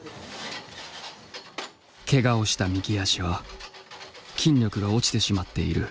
けがをした右足は筋力が落ちてしまっている。